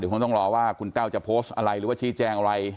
คงต้องรอว่าคุณแต้วจะโพสต์อะไรหรือว่าชี้แจงอะไร